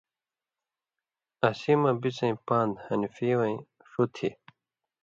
اسیں مہ بِڅَیں پان٘د (حنفی وَیں) ݜُو تھی۔